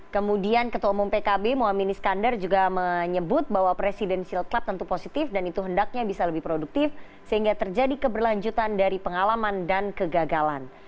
kemudian ketua umum pkb mohamini skandar juga menyebut bahwa presidensial club tentu positif dan itu hendaknya bisa lebih produktif sehingga terjadi keberlanjutan dari pengalaman dan kegagalan